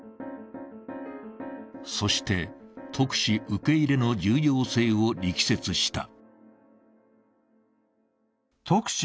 そして、特使受け入れの重要性を力説した。